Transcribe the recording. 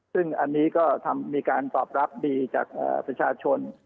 ซึ่งอันนี้ก็มีการตอบรับดีจากประชาชน